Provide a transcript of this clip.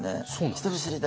人見知りで。